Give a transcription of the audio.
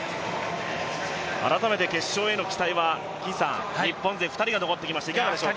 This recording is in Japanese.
改めて決勝への期待は、日本勢２人が残ってきましたが。